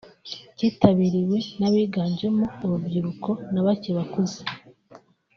cyitabiriwe n’abiganjemo urubyiruko na bake bakuze